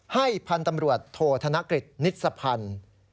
ให้พันธุ์ตำรวจโทษธนกฤทธิ์นิสภัณฑ์